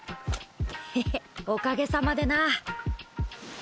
ヘヘッおかげさまでな。